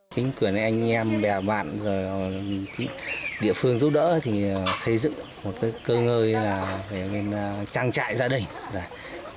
đề bản địa phương giúp đỡ xây dựng một cơ ngơi trang trại gia đình